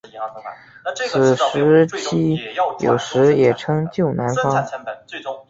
此时期有时也称旧南方。